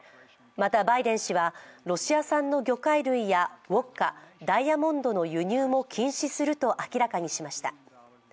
またバイデン氏はロシア産の魚介類やウオッカ、ダイヤモンドの輸入も禁止すると明らかにしました。